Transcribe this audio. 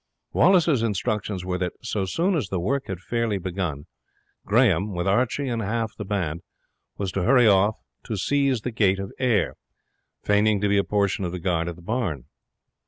Wallace's instructions were that so soon as the work had fairly begun, Grahame, with Archie and half the band, was to hurry off to seize the gate of Ayr, feigning to be a portion of the guard at the barn.